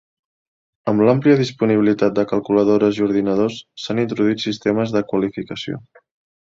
Amb l'àmplia disponibilitat de calculadores i ordinadors, s'han introduït sistemes de "qualificació".